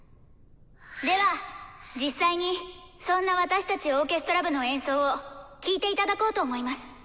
では実際にそんな私たちオーケストラ部の演奏を聴いていただこうと思います。